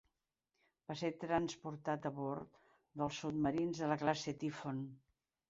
Va ser transportat a bord dels submarins de la classe Typhoon.